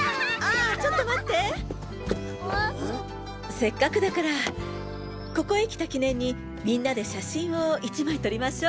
せっかくだからここへ来た記念にみんなで写真を１枚撮りましょ。